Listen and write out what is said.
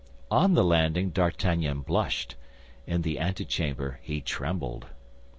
On the landing D'Artagnan blushed; in the antechamber he trembled.